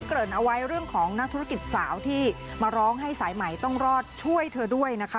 ริ่นเอาไว้เรื่องของนักธุรกิจสาวที่มาร้องให้สายใหม่ต้องรอดช่วยเธอด้วยนะคะ